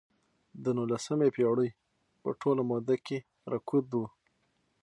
د نولسمې پېړۍ په ټوله موده کې رکود و.